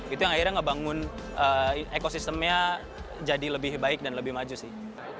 itu yang akhirnya ngebangun ekosistemnya jadi lebih baik dan lebih maju sih